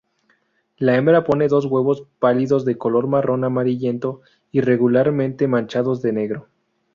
La hembra pone dos huevos pálidos de color marrón amarillento, irregularmente manchados de negro.